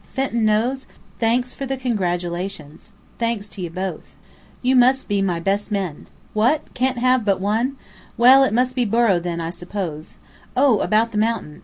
Fenton knows? Thanks for the congratulations. Thanks to you both. You must be my best men. What? Can't have but one? Well, it must be Borrow, then, I suppose. Oh, about the mountain?